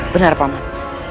benar pak man